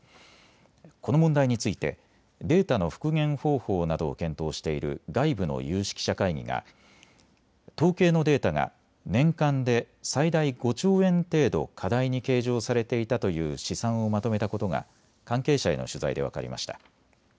この問題についてデータの復元方法などを検討している外部の有識者会議が統計のデータが年間で最大５兆円程度過大に計上されていたという試算をまとめたことが関係者への取材で分かりました。